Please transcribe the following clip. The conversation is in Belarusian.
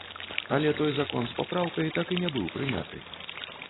Але той закон з папраўкай так і не быў прыняты.